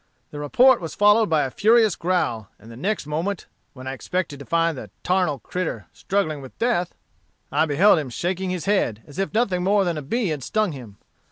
The report was followed by a furious growl, and the next moment, when I expected to find the tarnal critter struggling with death, I beheld him shaking his head, as if nothing more than a bee had stung him.